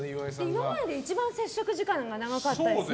今までで一番接触時間が長かったですね。